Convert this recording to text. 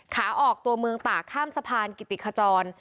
ขาออกตัวเมืองตากข้ามสะพานกิติขจร